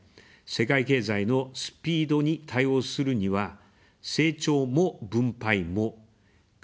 世界経済のスピードに対応するには「成長も分配も」「官も民も」